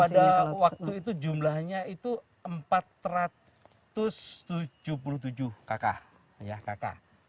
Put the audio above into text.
pada waktu itu jumlahnya itu empat ratus tujuh puluh tujuh kakak